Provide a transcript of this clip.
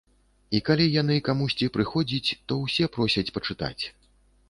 І калі яны камусьці прыходзіць, то ўсе просяць пачытаць.